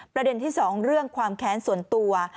ประเด็นที่๒เรื่องความแค้นส่วนตัว